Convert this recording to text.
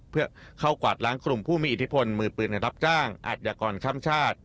เพื่อเข้ากวาดล้างกลุ่มผู้มีอิทธิพลมือปืนรับจ้างอาจยากรข้ามชาติ